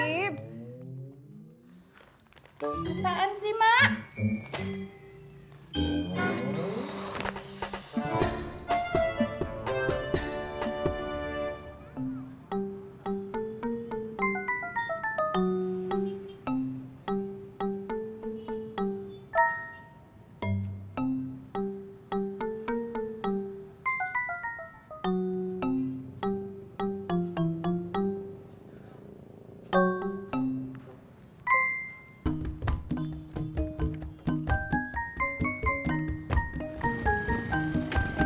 kataan sih mak